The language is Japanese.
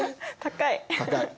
高い！